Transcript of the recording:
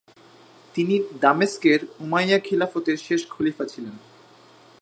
তিনি দামেস্কের উমাইয়া খিলাফতের শেষ খলিফা ছিলেন।